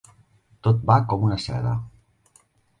Tot va com una seda.